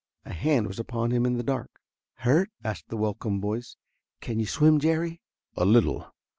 A hand was upon him in the dark. "Hurt?" asked the welcome voice. "Can you swim, Jerry?" "A little.